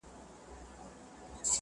د مسلمان له دره تشه ځولۍ ځمه